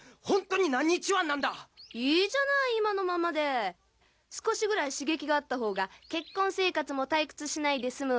本当に男溺泉なんだいいじゃない今のままで少し位刺激があった方が結婚生活も退屈しないです